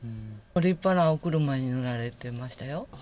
立派なお車に乗られてましたよ。